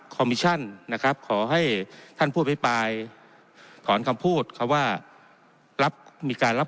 มิชั่นนะครับขอให้ท่านผู้อภิปรายถอนคำพูดคำว่ารับมีการรับ